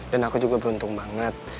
dan aku juga beruntung banget